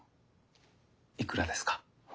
いくらですか？